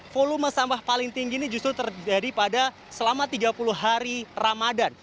volume sampah paling tinggi ini justru terjadi pada selama tiga puluh hari ramadan